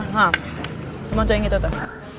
hah cuma cuy yang gitu tuh